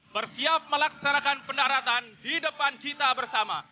bersiap melaksanakan pendaratan di depan kita bersama